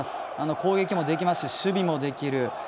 攻撃もできますし、守備もできる。